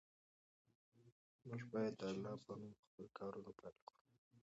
موږ باید د الله په نوم خپل کارونه پیل کړو.